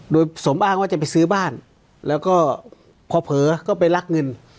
โดยสมอ้างว่าจะไปซื้อบ้านแล้วก็พอเผลอก็ไปลักเงิน